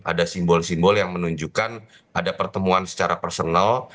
ada simbol simbol yang menunjukkan ada pertemuan secara personal